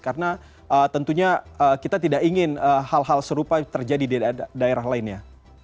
karena tentunya kita tidak ingin hal hal serupa terjadi di daerah lainnya